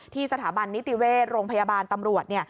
สถาบันนิติเวชโรงพยาบาลตำรวจ